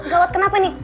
gawat kenapa nih